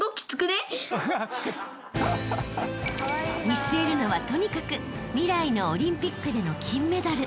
［見据えるのはとにかく未来のオリンピックでの金メダル］